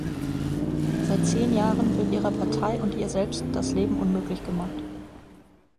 Seit zehn Jahren wird ihrer Partei und ihr selbst das Leben unmöglich gemacht.